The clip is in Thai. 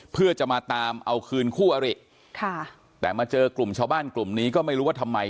เพื่อจะมาตามเอาคืนคู่อริค่ะแต่มาเจอกลุ่มชาวบ้านกลุ่มนี้ก็ไม่รู้ว่าทำไม